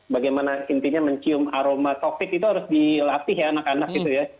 bagaimana intinya mencium aroma covid itu harus dilatih ya anak anak gitu ya